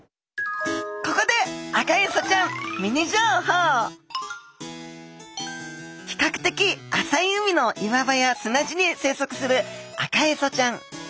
ここで比較的浅い海の岩場や砂地に生息するアカエソちゃん。